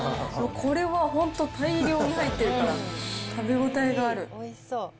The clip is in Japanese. これは本当、大量に入ってるから食べ応えがある。